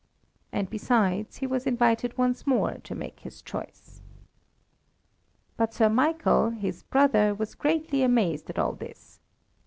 And, besides, he was invited once more to make his choice. But Sir Michael, his brother, was greatly amazed at all this.